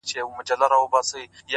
زمـــا د رسـوايـــۍ كــيســه ـ